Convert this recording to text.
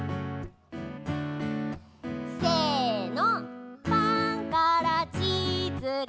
せの。